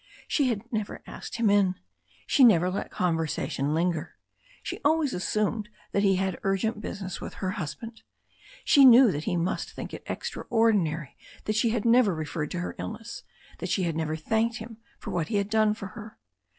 She had never asked him in. She never let conversation linger. She always asstuned that he had urgent business with her hus band. She knew that he must think it extraordinary that she had never referred to her illness, that she had never thanked him for what he had done for her.